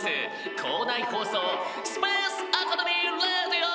校内放送『スペースアカデミーレディオ』！」。